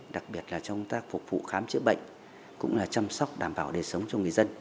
đặc biệt là cho chúng ta phục vụ khám chữa bệnh cũng là chăm sóc đảm bảo đề sống cho người dân